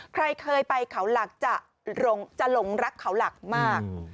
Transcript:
ใครเคยไปเขาหลักจะหลงรักเขาหลักมาก